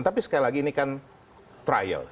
tapi sekali lagi ini kan trial